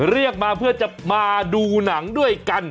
เรียกมาเพื่อจะมาดูหนังด้วยกัน